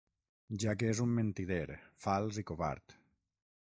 Ja que és un mentider, fals i covard.